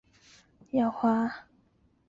赤城鼓楼的历史年代为明代。